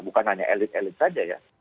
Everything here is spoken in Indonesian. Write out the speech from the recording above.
bukan hanya elit elit saja ya